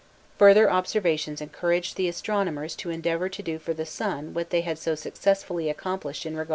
Further observations encouraged the astronomers to endeavour to do for the sun what they had so successfully accomplished in regard to the moon.